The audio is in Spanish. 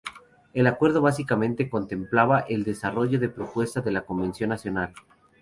El acuerdo básicamente contemplaba el desarrollo de la propuesta de la Convención Nacional.